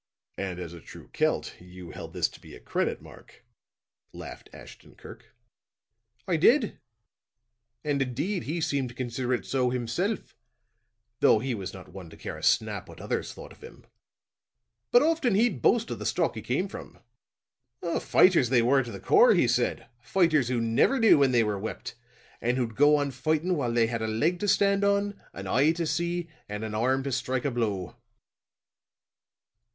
"And as a true Celt, you held this to be a credit mark," laughed Ashton Kirk. "I did. And, indeed, he seemed to consider it so himself, though he was not one to care a snap what others thought of him. But often he'd boast of the stock he came from. Fighters they were to the core, he said, fighters who never knew when they were whipped, and who'd go on fighting while they had a leg to stand on, an eye to see, and an arm to strike a blow."